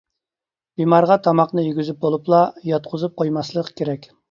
بىمارغا تاماقنى يېگۈزۈپ بولۇپلا ياتقۇزۇپ قويماسلىق كېرەك.